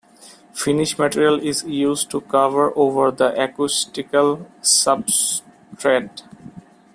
Finish material is used to cover over the acoustical substrate.